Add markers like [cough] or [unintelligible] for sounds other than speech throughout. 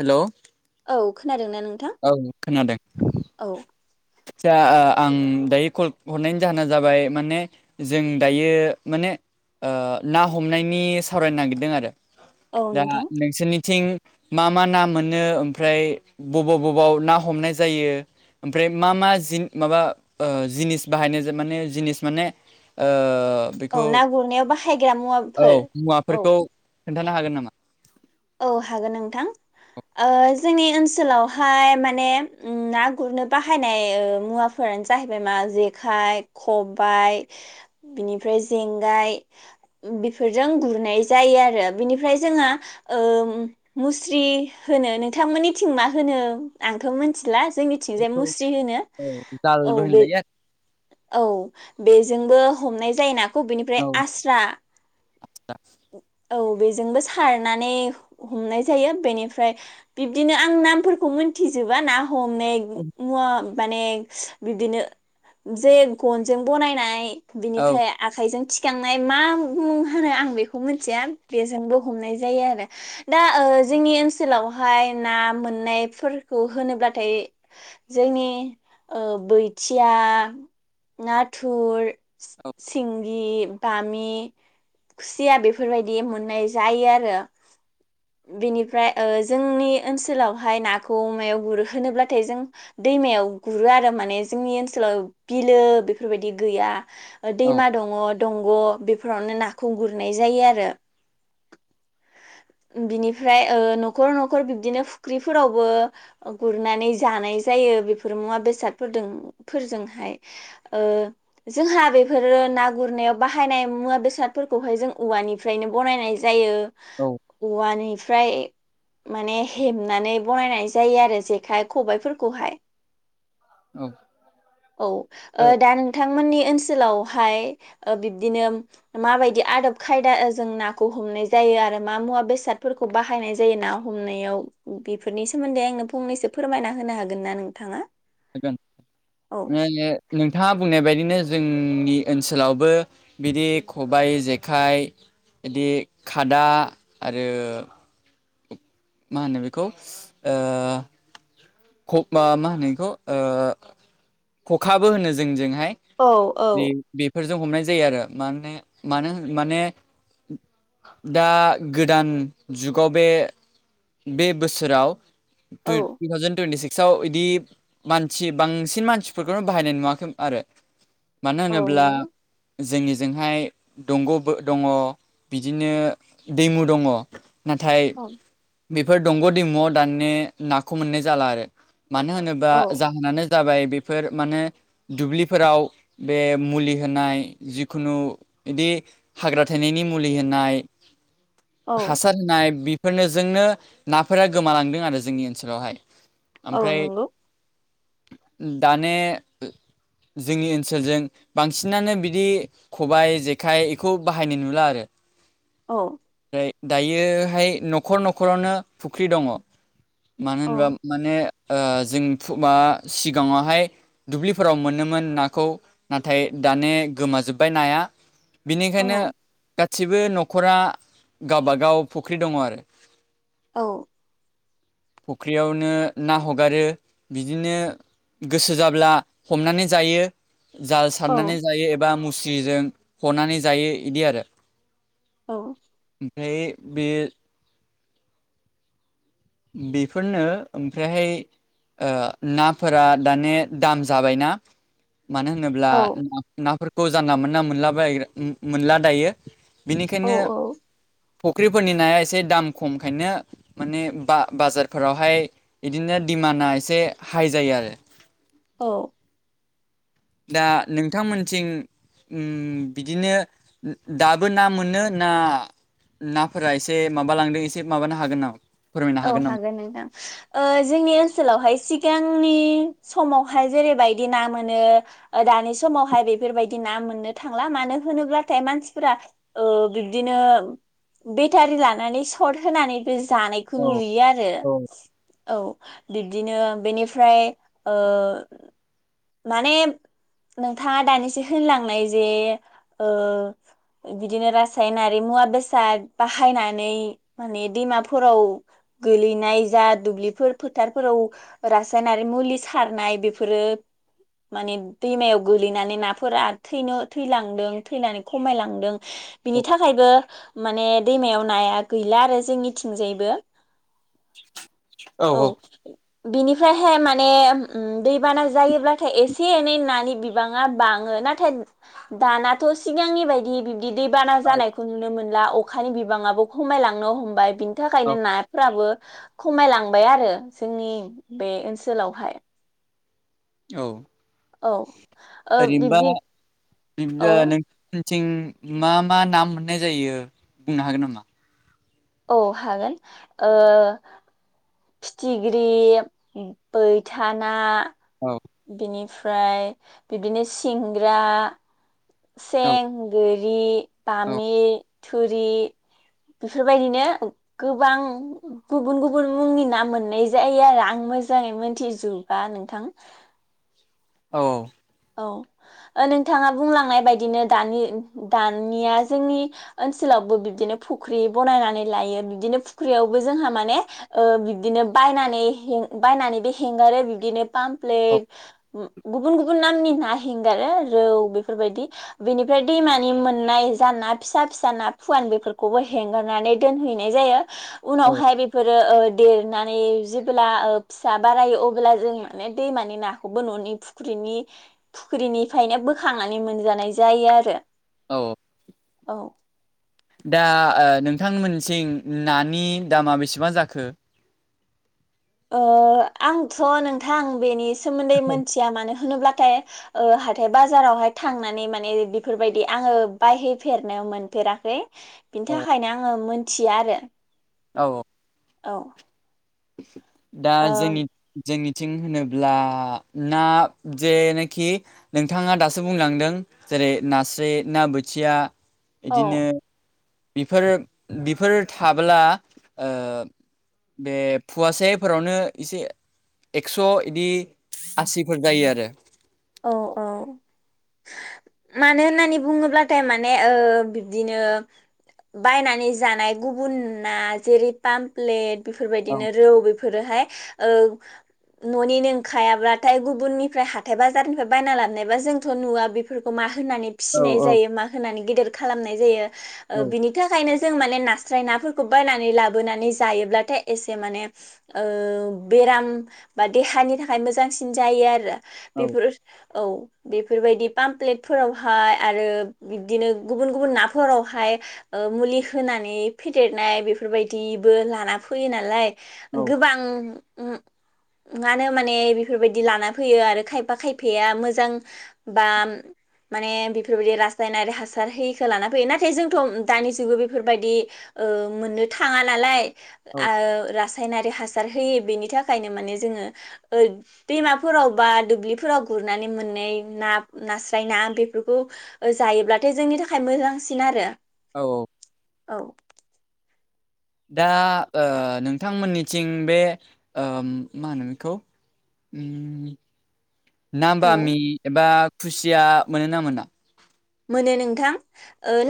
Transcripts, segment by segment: Hello औ खोनादों ना नों औ खोनादों आदसा ओ आं दायो कल हरनायनि जाहोना जाबाय माने जों दायो माने ओ ना हमनायनि सावरायनो नागिरदों आरो औ दा नोंथां नोंसोनिथिं मा मा ना मोनो ओमफ्राय बबाव बबाव ना हमनाय जायो ओमफ्राय मा मा जिन माबा ओ जिनिस बाहायनाय माने जिनिस माने ओ औ बेखौ ना गुरनायाव बाहायग्रा औ मुवाफोर औ मुवाफोरखौ खोनथानो हागोन नामा औ हागोन नोंथां ओ जोंनि ओनसोलावहाय माने उम ना गुरनो बाहायनाय मुवा फोरानो जाहैबाय मा जेखाइ खबाइ बिनिफ्राय जेंगाय बेफोरजों गुरनाय जायो आरो बिनिफ्राय जोंहा ओ मुस्रि होनो नोंथांमोनिथिं मा होनो आंथ' मिथिला जोंनि थिंजाय बेखौ मुस्रि होनो औ औ जालबो बे होनजायो औ बेजोंबो हमनाय जायोनाखौबेनिफ्राय आरो आस्रा औ औ बेजोंबो सारनानै हमनाय जायो बेनिफ्राय बिब्दिनो आं नामफोरखौ मोनथिजोबा ना हमनाय मुवा माने बिबदिनो जे गनजों बनायनाय औ बिनिफ्राय आखाइजों थिखांनाय मा मुं होनो आं बेखौ मिथिया बेजोंबो हमनाय जायो आरो दा जोंनि ओनसोलावहाय ना मोननायफोरखौ होनोब्लाथाय जोंनि बैथिया नाथुर सिंगि बामि सिया बेफोरबायदि मोननाय जायो आरो बेनिफ्राय जोंनि ओनसोलावहाय नाखौ अमायाव गुरहोनोब्लाथाय जों दैमायाव गुरो आरो माने जोंनि ओनसोलाव बिलो बेफोरबायदि गैया औ दैमा दङ दंग' बेफोरावनो नाखौ गुरनाय जायो आरो [inaudible] बिनिफ्राय न'खर न'खर बिब्दिनो फुख्रिफोरावबो गुरनानै जानाय जायो बेफोर मुवा बेसादफोरदों फोरजोंहाय जोंहा बेफोरो ना गुरनायाव बाहायनाय मुवा बेसादफोरखौ खौहाय जों औवानिफ्रायनो बानायनाय जायो औ औवानिफ्राय माने हेबनानै बनायनाय जायो आरो जेखाइ खबाइफोरखौहाय औ औ औ दा नोंथांमोननि ओनसोलावहाय बिब्दिनो माबायदि आदब खायदा जों नाखौ हमनाय जायो आरो मा मुवा बेसादफोरखौ बाहायनाय जायो ना हमनायाव बेफोरनि सोमोन्दै आंनो फंनैसो फोरमायना होनो हागोन ना नोंथाङा औ नोंथाङा बुंनाय बायदिनो जोंनि ओनसोलावबो बिदि खबायाइ जेखाइ बिदि खादा आरो मा होनो बेखौ मा होनोखौ खखाबो होनो जोंजोंहाय औ औ बे बेफोरजों हमनाय जायो आरो माने मानो माने दा गोदान जुगाव बे बे बोसोराव टु थावजेन टुइन्टि सिक्स सिक्सआव बिदि मानसि बांसिन मानसिफोरखौनो बाहायनाय नुवाखै आरो मानो होनोब्ला जोंनिजोंहाय दंग' दङ बिदिनो दैमु दङ नाथाय औ बेफोर दंग' दैमुआव दानया नाखौ मोननाय जाला आरो मानो होनोबा जाहोनानो जाबाय बेफोर माने दुब्लिफोराव बे मुलि होनाय जिखुनु बिदि हाग्रा थायनायनि मुलि होनाय हासार होनाय बेफोरनोजोंनो नाफोरा गोमालांदों आरो जोंनि ओनसोलावहाय औ ओमफ्राय नंगौ दानया जोंनि ओनसोलजों बांसिनानो बिदि खबाइ जेखाइ बेखौ बाहायनाय नुला आरो औ ओमफ्राय दायोहाय न'खर न'खरावनो फुख्रि दङ मानो होनोबा औ माने जों मा सिगाङावहाय दुब्लिफोराव मोनोमोन नाखौ नाथाय दान गोमाजोब्बाय नाया औ बिनिखायनो नंगौ गासिबो न'खरा गावबागाव फुख्रि दङ आरो औ फुख्रियावनो ना हगारो बिदिनो गोसो जाब्ला हमनानै जायो जाल औ सारनानै जायो एबा मुस्रिजों हनानै जायो इदि आरो औ ओमफ्राय बे बेफोरनो ओमफ्रायहाय नाफोरा दाने दाम जाबायना मानो होनोब्ला औ नाफोरखौ जानला मोनना मोनलाबाय मोनला दायो औ बेनिखायनो औ फुख्रिफोरनि नाया एसे दाम खमखायनो माने ब बाजारफोरावहाय बिदिनो दिडिमान्डआ एसे हाइ जायो आरो औ दा नोंथांमोनथिं बिदिनो दाबो ना मोनो ना नाफोरा एसे माब लांदों एसे माबानो हागोन नामा फोरमायनो औ नामा? हागोन नोंथां जोंनि ओनसोलावहाय सिगांनि समावहाय जेरैबायदि ना मोनो दानि समावहाय बेफोरबायदि ना मोननो थांला मानो होनोब्लाथाय मानसिफोरा बिब्दिनो बेटारि लानानै सर्ट होनानैबो जानायखौ खौ औ नुयो आरो औ औ बिब्दिनो बेनिफ्राय माने नोंथाङा दानिसो होनलांनाय जे बिदिनो रासायनारि मुवा बेसाद बाहायनानै माने दैमाफोराव गोलैनाय जा दुब्लिफोर फोथारफोराव रासायनारि मुलि सारनाय बेफोरो माने दैमायाव गोलैनानै नाफोरा थैनो थैलांदों थैनानै खमायलांदों बिनि थाखायबो माने दैमायाव नाया गैला आरो जोंनिथिंजायबो [unintelligible] औ बिनिफ्रायहाय माने दैबाना जायोब्लाथाय नाथाय एसे एनै नानि बिबाङा बाङो नाथाय दानाथ' सिगांनि बायदि बिबदि दैबाना जानायखौ नुनो मोनला अखानि बिबाङाबो खमायलांनो हमबाय बिनि थाखायनो नाफोराबो खमायलांबाय आरो जोंनि बे ओनसोलावहाय औ औ ओ ओरैनोबा बिब्दि बि औ नों थिं मा मा ना मोननाय जायो बुंनो हागोन नामा औ हागोन फिथिग्रि बैथाना औ बिनिफ्राय बिब्दिनो सिंग्रा औ सें गोरि औ बामि थुरि बेफोरबायदिनो गोबां गुबुन गुबुन मुंनि नाम मोननाय जायो आरो आं मोजाङै मोनथिजोबा नोंथां औ औ औ नोंथाङा बुंलांनाय बायदिनो दानि दानिया जोंनि ओनसोलावबो बिब्दिनो फुख्रि बनायनानै लायो बिदिनो फुख्रियावबो जोंहा माने बिब्दिनो बायनानै बायनानैबो हगारो बिबदिनो औ पामप्लेट गुबुन गुबुन नामनि ना हेंगारो रौ बेफोरबायदि बेनिफ्राय दैमानि मोननाय जान ना फिसा फिसा ना फुवान बेफोरखौबो हेंगारनानै दोनहैनाय जायो औ उनावहाय बेफोरो देरनानै जेब्ला फिसा बारायो अब्ला जों माने दैमानि नाखौबो न'नि फुख्रिनि फुख्रिनिफ्रायनो बोखांनानै मोनजानाय जायो आरो औ औ दा नोंथांमोनथिं नानि दामा बेसेबां जाखो आंथ' नोंथां बेनि सोमोन्दै मोनथिया मानो होनोब्लाथाय हाथाय बाजारावहाय थांनानै माने बेफोरबायदि आङो बायहैफेरनायाव मोनफेराखै बिनि औ थाखायनो आङो मोनथियो आरो। औ। औ। दा ओ जोंनि जोंनिथिं होनोब्ला ना जेनाखि नोंथाङा दासो बुंलांदों जेरै नास्राय ना बोथिया औ बिदिनो बेफोरो बेफोर थाब्ला बे फवासेफोरावनो एसे एक्स' बिदि आसिफोर जायो आरो। औ औ। मानो होननानै बुङोब्लाथाय माने बिब्दिनो बायनानै जानाय गुबुना जेरै पामप्लेट औ बेफोरबायदिनो रौ बेफोरोहाय न'निनोंखायाब्लाथाय गुबुननिफ्राय हााइबा जा बाजारनिफ्राय बायना लाबोनायबा जोंथ' नुवा बेफोरखौ मा होनानै फिसिनाय औ जायो मा होनानै गेदेर खालामनाय जायो औ बिनि बिनि थाखायनो जों माने नास्राय नाफोरखौ बायनानै लाबोनानै जायोब्लाथाय एसे माने बेराम बा देहानि थाखाय मोजांसिन जायो आरो औ बेफोर औ। बेफोरबायदि पामप्लेटफोरावहाय आरो बिदिनो गुबुन गुबुन नाफोरावहाय मुलि होनानै फेदेरनाय बेफोरबायदिबो लाना फैयो नालाय। औ गोबांनो माने बेफोरबायदि लाना फैयो आरो खाय बाखायफैया मोजां बा माने बेफोरबायदि रासायनारि हासार होखौ लाना फैयो नाथाय जोंथ' दानि जुगाव बेफोरबायदि मोननो थांङा नालाय औ रासायनारि हासार हो बेनि थाखायनो माने जोंङो दैमाफोराव बा दुब्लि बे फोराव गुरनानै मोननै ना नास्राय ना बेफोरखौ जायोब्लाथाय जोंनि थाखाय मोजांसिन आरो औ औ। औ। दा नोंथांमोननिथिं बे मा होनो बेखौ ना औ बामि एबा खुसिया मोनो ना मोना? मोनो नोंथां।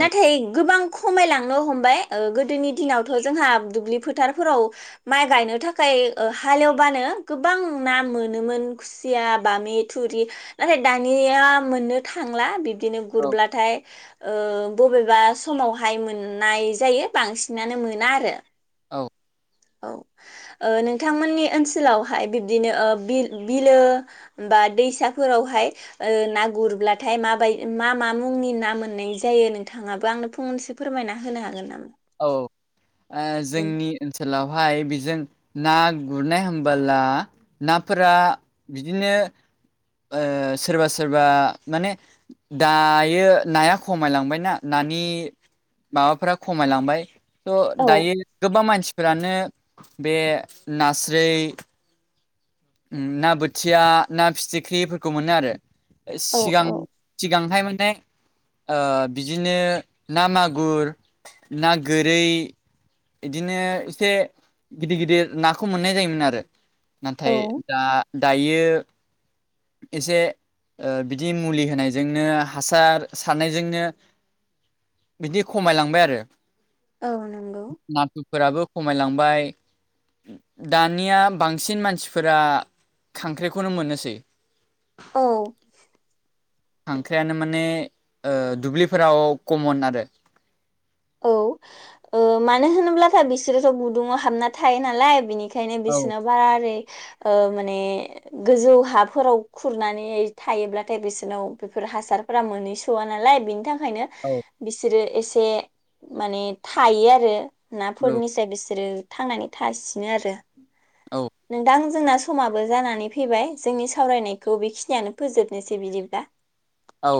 औ गोबां खमायलांनो हमबाय गोदोनि दिनावथ' जोंहा दुब्लि फोथारफोराव माइ गायनो थाखाय हालेवबानो गोबां ना मोनोमोन। खुसिया बामि थुरि नाथाय दानिया मोननो थांला बिब्दिनो औ गुरब्लाथाय बबेबा समावहाय मोननाय जायो बांसिनानो मोना आरो औ। औ नोंथांमोननि ओनसोलावहाय बिब्दिनो बिल बिलो बा दैसाफोरावहाय ना गुरब्लाथाय माबाय मा मा मुंनि ना मोननाय जायो नोंथांङाबो आंनो फंनसो फोरमायना होनो हागोन नामा? औ औ जोंनि ओनसोलावहाय बेजों ना गुरनाय हबोला नाफोरा बिदिनो सोरबा सोरबा माने दायो नाया खमायलांबायना नानि। माबाफोरा खमायलांबाय थ' दायो गोबां मानसिफोरानो बे नास्राय ना बोथिया ना फिथिख्रिफोरखौ मोनो आरो औ सिगां औ सिगांहाय माने बिदिनो ना मागुर ना गोरै बिदिनो एसे गिदिर गिदिर नाखौ मोननाय जायोमोन आरो औ नाथाय दा दायो एसे बिदि मुलि होनायजोंनो हासार सारनायजोंनो। बिदि खमायलांबाय आरो औ नंगौ नाथुर फोराबो खमायलांबाय दानिया बांसिन मानसिफोरा खांख्राइखौनो मोननोसै। औ। खांख्रायानो माने दुब्लिफोराव कमन आरो औ मानो होनोब्लाथाया बिसोरोथ' गुदुंङाव हाबना थायो नालाय बेनिखायनो। बेखायनो औ बिसोरनााव बारा ओरै माने। गोजौ हाफोराव खुरनानै थायोब्लाथाय बिसोरनाव बेफोर हासार। फुरा मोनहैस' नालाय बेनि थाखायनो औ। बिसोरो एसे माने थायो आरो नाफोरनिफ्राय बिसोरो। थांनानै थासिनो आरो। औ। नोंदां जोंना समाबो जानानै फैबाय जोंनि सावरायनायखौ बेखिनियानो फोजोबनोसै बिदि दा औ।